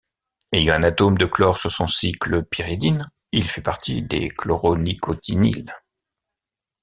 Ayant un atome de chlore sur son cycle pyridine, il fait partie des chloronicotinyles.